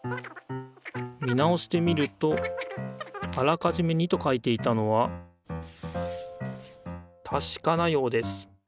見直してみるとあらかじめ「２」と書いていたのはたしかなようです。